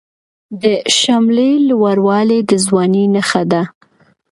د شملې لوړوالی د ځوانۍ نښه ده.